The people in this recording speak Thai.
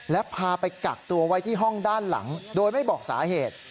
และพาไปกักตัวไว้ที่ห้องด้านหลังโดยไม่บอกสาเหตุ